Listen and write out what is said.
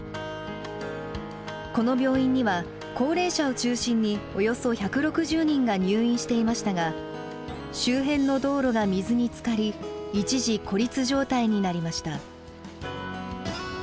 この病院には高齢者を中心におよそ１６０人が入院していましたが周辺の道路が水につかり一時孤立状態になりました。